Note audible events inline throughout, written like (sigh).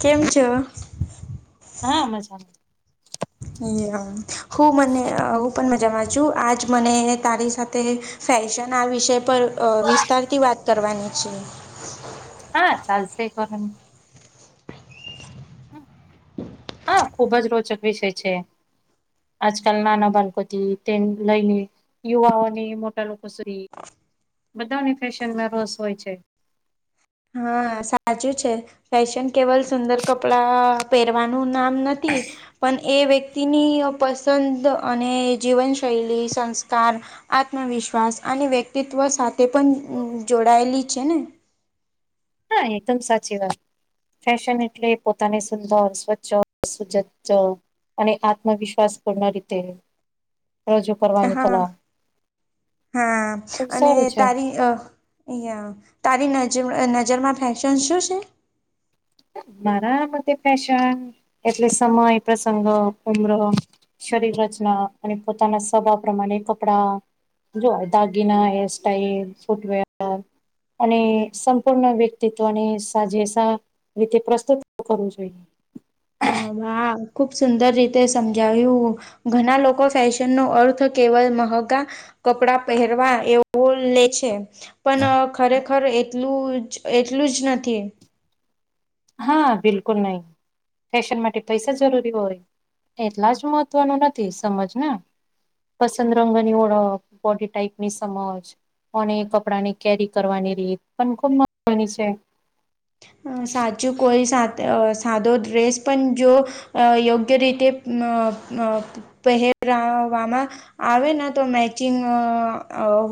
કેમ છો. હા મજામાં હું મને હું પણ મજામાં છું આજ મને તારી સાથે ફેશન આ વિષય પર વિસ્તારથી વાત કરવાની છે. હા ચાલશે કર હા ખુબ જ રોચક વિષય છે. આજકાલ નાના બાળકોથી તેમ લઈને યુવાઓની મોટા લોકો સુધી બધાની ફેશનમાં રોસ હોય છે. હા સાચું છે ફેશન કેવલ સુંદર કપડા પહેરવાનું નામ નથી પણ એ વ્યતિ વકતિની પસંદ અને જીવનશૈલી સંસ્કાર આત્મવિશ્વાસ અને વ્યક્તિત્વ સાથે પણ જોડાયેલી છે ને એકદમ સાચી વાત ફેશન એટલે પોતાને સુંદર સ્વચ્છ સુજજ અને આત્મવિશ્વાસ પૂર્ણ રીતે રજૂ કરવાની હા કલા હા એ અને સારું છે તારી અ યા તારી નજર નજરમાં ફેશન શું છે. મારા મ ફેશન એટલે સમય પ્રસંગ ઉમરો શરીર રચના અને પોતાના સ્વભાવ પ્રમાણે કપડા જોય દાગીના હેરસ્ટાઈલ ફૂટવેર અને સંપૂર્ણ વ્યક્તિત્વને સાજેસા તે પ્રસ્તુત કરવું જોઈએ હા બાા ખૂબ સુંદર રીતે સમજાવ્યું ઘણા લોકો ફેશન નો અર્થ કેવલ મહગા કપડા પહેરવા એવું લે છ પણ ખરેખર એટલું જ એટલું જ નથી. હા બિલકુલ નહી ફેશન માટે પૈસા જરૂરી હોય એટલા જ મહત્વનું નથી સમજ ના પસંદ રંગ ની ઓળખ બોડી ટાઈપની સમજ અને કપડા ની કેરી કરવાની રીત પણ ખુબ મહત્વની છે. સાચું કોઈ સા સાદો ડ્રેસ પણ જો અ યોગ્ય રીતે ન ન પહેરાવામાં આવે તો મેચિંગ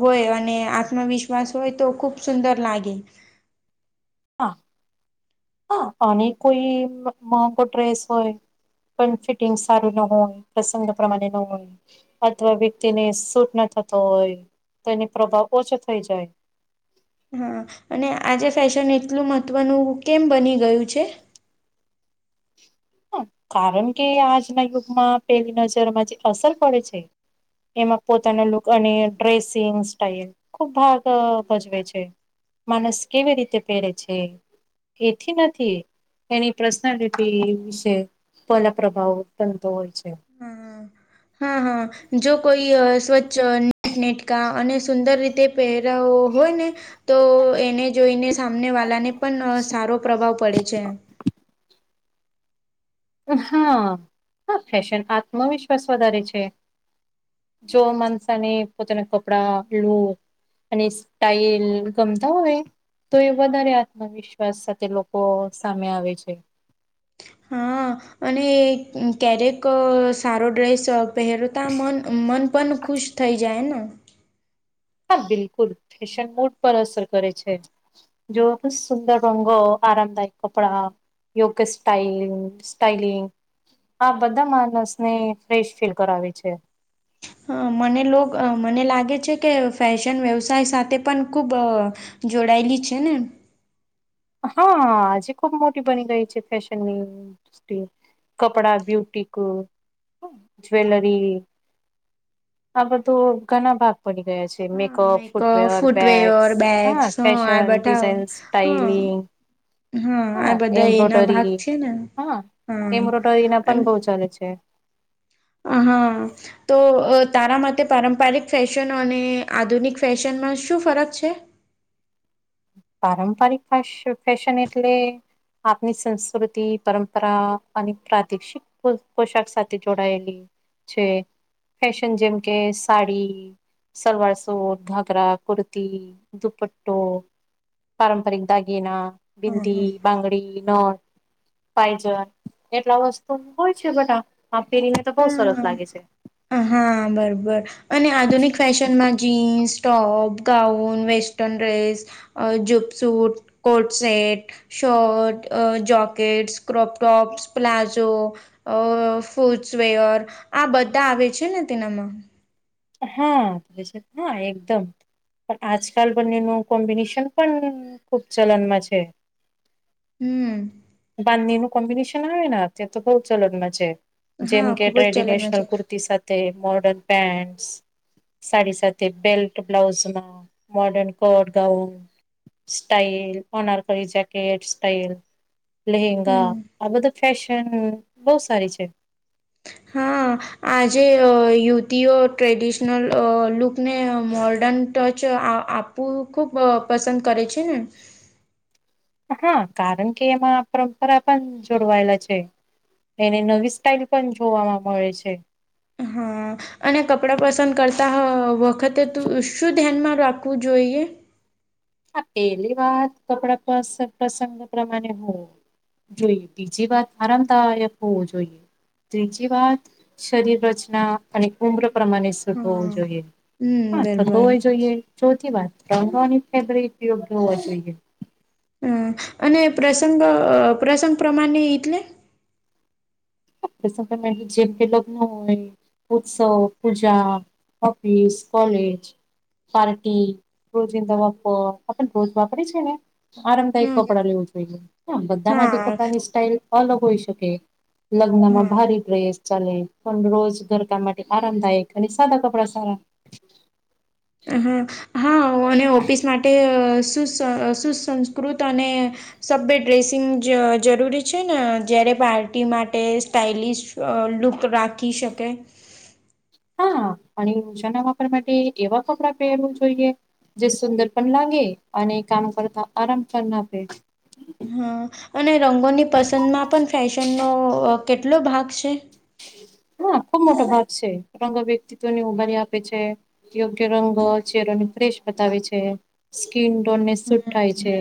હોય અને આત્મવિશ્વાસ હોય તો ખુબ ખૂબ સુંદર લાગે.. હા હા અને કોઈ મોગો ડ્રેસ હોય-' પણ ફિટિંગ સારું ન હોય પ્રસંગ પ્રમાણે ન હોય. અથવા વ્યક્તિની સૂટ ના થતો હોય તો એની પ્રભાવ ઓછો થઈ જાય. હા અને આજે ફેશન એટલું મહત્વનું કેમ બની ગયું છે. હ કારણ કે આજના યુગમાં પેલી નજરમાં જે અસર પડે છે. એમાં પોતાનો લુક અને ડ્રેસિંગ સ્ટાઈલ ખુબ ભાગ ભજવે છે. માણસ કેવી રીતે પરે છે. એથી નથી એની પર્સનાલિટી જે પલા પ્રભાવ તતો હોય છે. હા હા હા જો કોઈ સ્વચ્છ નીટનેટકા અને સુંદર રીતે પહેરા હોય ને તો એને જોઈને સામને વાળાને પણ સારો પ્રભાવ પડે છે. હા હા ફેશન આત્મવિશ્વાસ વધારે છે. જો માનસાને પોતાના કપડા લું અને સ્ટાઈલ ગમતા હોય તો એ વધારે આત્મવિશ્વાસ સાથે લોકો સામે આવે છે. હા અને ક્યારેક સારો ડ્રેસ પહેરોતા મન મન પણ ખુશ થઈ જાય ને. હા બિલકુલ ફેશન મોડ પર અસર કરે છે. જો બ સુંદર રંગો આરામદાયક કપડા યોગ સ્ટાઈલ સ્ટાઈલિ આ બધા માણસ ને ફ્રેશ ફીલ કરાવી છે. હા મને લો મને લાગે છે કે ફેશન વ્યવસાય સાથે પણ ખૂબ જોડાયેલી છે ને? હા આજે ખુબ મોટી બની ગઈ છે ફેશન ની. કપડા, બ્યુટિક, જ્વેલરી આ બધું ઘણા ભાગ પડી ગયા છે. મે પ હા ફૂટવે, મેકઅપ ફૂટવેર બેગસ હા બેગ્સ આ ફશન બટાવ ડિઝાઇન હા સ્ટાઇલિંગ આ હા બધા એના ભાગ એમ્બ્રોડરી. છે ને હા એમ્બ્રોડરી ના હા પણ બહ ચાલે છે. હ હા. તો તારા માટે પારંપારિક ફેશન અને આધુનિક ફેશનમાં શું ફરક છે? પારંપરિક ફેસ ફેશન એટલે આપની સંસ્કૃતિ પરંપરા અને પ્રાદેશિક પોશાક સાથે જોડાયેલી છે. ફેશન જેમ કે સાડી સલવાર સૂટ, ઘાઘરા, કુર્તી, દુપટ્ટો પારંપરિક દાગિના, હા ભિદી, બંગડી, ન પાયજન એટલા વસ્તુ હોય છે બધા આ પેરીને તો. બહુ સરસ લાગે છે. હ હા બબર અને આધુનિક ફેસ ન માં jeans, top, gown, western dress અ જંપશૂટ, કોર્ડ સેટ શર્ટ, અ જોકેટ, ક્રોપ ટોપ્સ, પ્લાઝો અ ફૂસવેર આ બધા આવે છે ને તેનામાં? હા (unintelligible) હા એકદમ પણ આજકાલ બંનેનું કોમ્બિનેશન પણ ખુબ ચલનમાં છે. હમ. બંધની એ કમ્બનેશન આવેના તે તો હોલ ચલનમા છેે. જેમ હા કે ખુબ જ ચલનમાં છે ટ્રેડિનેશનલ કુર્તી સાથે મોર્ડર્ન પેન્ટ સાડી સાથે બેલ્ટ બ્લાઉઝમાં મોર્ડન કોટ ગાઉન સ્ટાઈલ ઓનાર કો જકેટ સ્ટાઈલ લહેંગા હમ આ બધું ફેશન બહ સારી છે. હા આજે યુવતીઓ ટ્રેડિશનલ લુકને મોર્ડર્ન ટચ આ આપ વુ ખૂબ પસંદ કરે છે ને? હા કારણ કે એમાં પરંપરા પણ જોડવાયેલા છે એને નવી સ્ટાઈલ પણ જોવાવામાં મળે છે. અને કપડાં પસંદ કરતા વખતે ત શું ધ્યાનમાં રાખવું જોઈએ? હા પેલી વાત કપડા પસ પ્રસંગ પ્રમાણે હોય જોઈએ બીજી વાત આરામદાયક હોવું જોઈએ. ત્રીજી વાત શરીરચના અને ઉમ્ર પ્રમાણે હોવો હા જોઈએ હમ હા થતો બરાબર હોય જોઈએ ચોથી વાત (unintelligible) ફેબ્રિક યોગ્ય હોવા જોઈએ. હમ્મ અને પ્રસંગો પ્રસંગ પ્રમાણે એટલે? (unintelligible) ઉત્સવ, પૂજા, ઓફિસ, કોલેજ પાર્ટી રોજની દવા પર આપણ રોજ વાપરી છે ને આરામદાયક હમ કપડાં લેવું જોઈએ. હા બધા માટે હા કપડાની સ્ટાઈલ અલગ હોઈ શકે. લગ્નમાં હા ભારી ડ્રેસ ચાલે પણ રોજ ઘરકામ માટે આરામદાયક અને સાદા કપડા સારા. હા હા ઓફિસ માટે સુ સુસંસ્કૃત અને સબ્બે ડ્રેસિંગ જ જરૂરી છેને જયારે પાર્ટી માટે સ્ટાઇલિશ લુપ્ત રાખી શકે? હા પણ (unintelligible) એ વા કપડાં પહેરવા જોયે જે સુંદર પણ લાગે અને કામ કરતા આરામ પન આપે હા અને રંગોની પસંદમાં પણ ફેશનનો કેટલો ભાગ છે? હા ખુબ મોટો ભાગ છેં. રંગો વ્યક્તિત્વને ઉભારી આપે છે. યોગ્ય રંગો ચેહરાની ફ્રેશ બતાવે છે. સ્કીનટોનને શૂટ થાય છે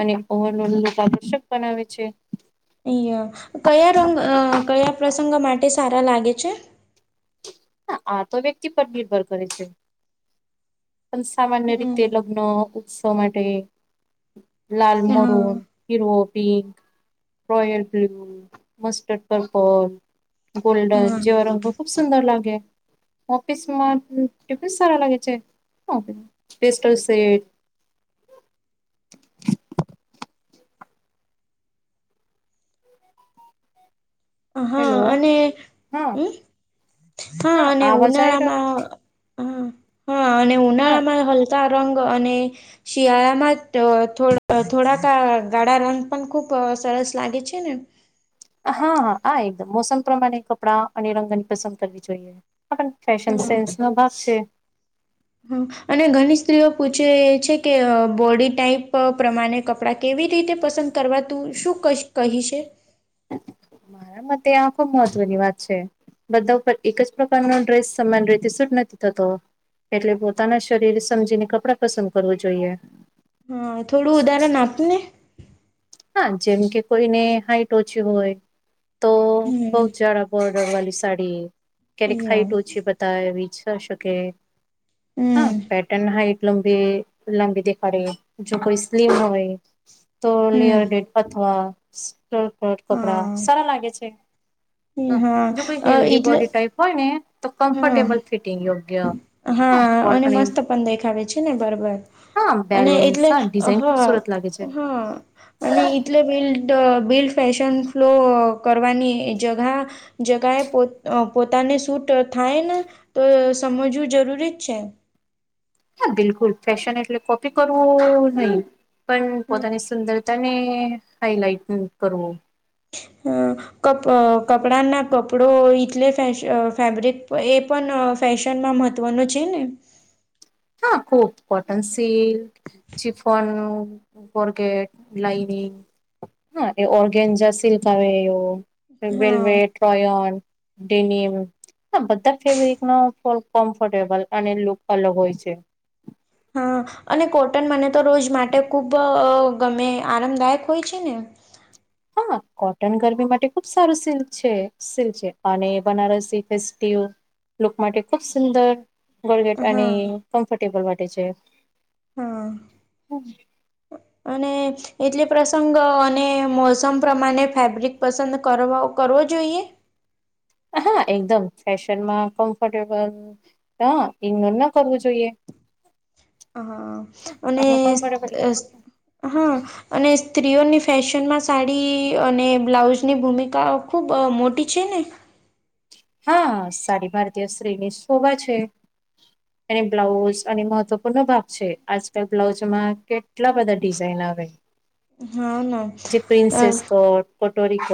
અને ઓવર‌ઓલ લુક આકર્ષક બનાવે છે. કયા રંગ કયા પ્રસંગો માટે સારા લાગે છે. હા આ તો વ્યક્તિ પર નિર્ભર કરે છે પણ સામાન્ય હમ રીતે લો ઉત્સવ માટે લાલ, હા મરૂન, હીરવો, pink royal blue, mustard, purple golden હા જેવા રંગો ખૂબ સુંદર લાગે. ઓફિસ માટે પણ સારા લાગે છે ઓફિ પેસ્ટલ સેટ હા હેલો અને હા ઉમ હા અને આવાજ આવી રહ્યો ઉનાળામાં હા અને હા ઉનાળામાં હલકા રંગ અને શિયાળામાં અ.. થો.. થોડાક ગ.. ગાળા રંગ પણ ખુબ સરસ લાગે છે ને! હા હા આ એકદમ મોસમ પ્રમાણે કપડાં અને રંગની પસંદ કરવી જોઈએ. આપણને ફેશન સેન્સનો ભાગ છે. હ અને ઘની સ્ત્રીઓ પૂછે છે કે બોડી ટાઈપ પ્રમાને કપડાં કેવી રીતે પસંદ કરવા તું શું કશ કહી છે મારા મતે આ ખુબ મહત્વની વાત છે. બધા ઉપર એક જ પ્રકારનો ડ્રેસ સમ્માન રીતે સૂટ નથી થતો. એટલે પોતાના શરીર સમજીને કપડાં પસંદ કરવું જોઈએ. હા થોડું ઉદારણ આપને હા જેમ કે કોઈને હાઈટ ઓછી હોય તો બહુ હમ ઝડપ બોર્ડર વાળી સાડી ક્યારેક હાઈટ ઓછી બતાવીછ શકે. હા હમ પેટર્ન હાઈટ લંબી લંબી દેખાડે. જો કોઈ સ્લીમ હોય તો હમ લેયર અથવા (unintelligible) કપડા હા સારા લાગે છે હ જો કોઈ હા હેલ્ધી એટલે બોડી ટાઈપ હોયને તો હા કમ્ફર્ટેબલ ફિટિંગ યોગ્ય હા અને મસ્ત પણ દેખાવે છેને બરોબર હા અને બેલેન્સ એટલે હા ડિઝાઇન હા ખૂબસુરત લાગે છે. હા અને એટલે બિલ્ડ બિલ્ડ ફેશન ફ્લો કરવાની જગા જગાએ પો પોતાને શૂટ થાયને તો સમજવું જરૂરી જ છે. હા બિલકુલ ફેશન એટલે કોપી કરવું નહી પણ હમ. પોતાની સુંદર અને હાઈલાઈટ કરવું અ કપ કપડાના કપડો લે ફસ ફેબ્રિક એ પણ ફેશનમાં મહત્વનો છે ને હા ખૂબ કોટન સીલ્ક ચિફન, બર્ગેટ, લાઈનિ હા એ ઓર્ગેન્જા સિલ્ક આવે એ હા વેલ્વેટ, રોન ડેનમ બધા ફેબ્રિક ન ફ કમ્ફર્ટેબલ અને લુક અલગ હોય છે છે હા અને કોટન મને તો રોજ માટે ખૂબ ગમે આરામદાયક હોય છે ને હા કોટન ગરમી માટે ખુબ સારું સિલ્ક છે સિલ્ક છે અને બનારસી ફેસ્ટ લુક માટે ખુબ સુંદર ગોલગેટ અને હા કમ્ફર્ટેબલ માટે છે હા (unintelligible) અને એટલે પ્રસંગ અને મોસમ પ્રમાણે ફેબ્રિક પસંદ કરવો જોઈએ હા એકદમ ફેશનમાં કમ્ફર્ટેબલ હ ઇગ્નોર ના કરવું જોઈએ હા હા અને આપણું કમ્ફર્ટેબલ હા અને સ્ત્રીઓની ફેશનમાં સાડી અને બ્લાઉઝની ભૂમિકા ખૂબ મોટી છે ને હા સારી ભારતીય સ્ત્રીની શોભા છે એની બ્લાઉઝ અને મહત્વપૂર્ણો ભાગ છે આજકાલ બ્લાઉઝમાં કેટલા બધા ડિઝાઇન આવે હા ના જે હા પ્રિન્સેસ કટ કટોરીકટ,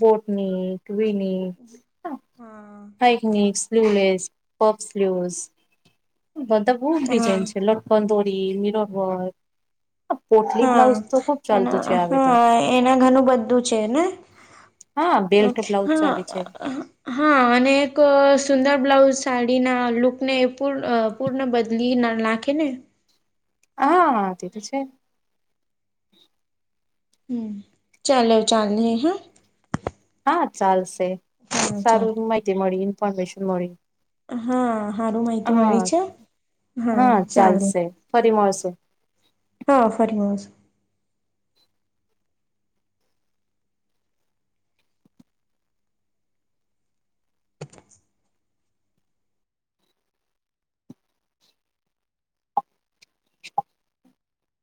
બોટની ટુઈની હઇકનીક, સ્લ્યુલેસ, પપ સ્લ્યુ બધા બહુ જ હા ડિઝાઇન છે લટકંદોરી, મિરોવર વક હા એના આવે તો હા એના ઘણું બધું છે ને હા હ બેલ્ટ બ્લાઉઝ હા ચાલે છે હા અને એક સુંદર બ્લાઉઝ સાડીના લુક ને એ પૂર પૂર્ણ બદલી ના લખેને હાતી તો છે હમ ચાલો ચાલે હા હા ચાલશે હા સારું ચાલે માહિતી મળી ઇન્ફોર્મેશન મળી હા સારું માહિતી હા મળી છે હા ચાલે ચાલશે ફરી મળશું હા ફરીસ